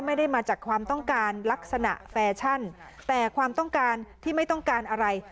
ไม่ได้มาจากความต้องการลักษณะแฟชั่นแต่ความต้องการที่ไม่ต้องการอะไร